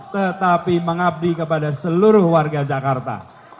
tetapi mengabdi kepada seluruh warga jakarta